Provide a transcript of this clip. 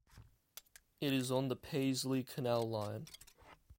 It is on the Paisley Canal Line.